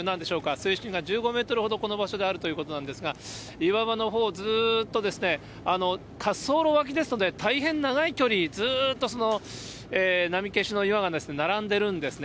水深が１５メートルほど、この場所であるということなんですが、岩場のほう、ずっと滑走路脇ですので、大変長い距離、ずーっと波消しの岩が並んでるんですね。